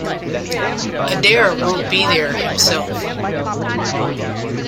Adair won't be there himself.